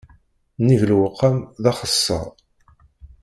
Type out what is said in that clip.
Nnig lewqam, d axeṣṣar.